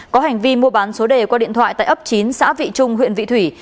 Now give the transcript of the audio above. có hành vi mua bán số đề qua điện thoại tại ấp chín xã vị trung huyện vị thủy